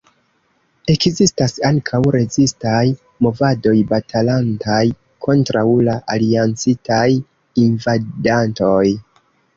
Ekzistis ankaŭ rezistaj movadoj batalantaj kontraŭ la Aliancitaj invadantoj.